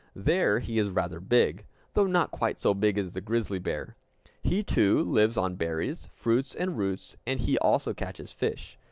There he is rather big, though not quite so big as the grizzly bear. He too lives on berries, fruits, and roots, and he also catches fish.